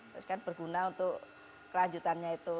terus kan berguna untuk kelanjutannya itu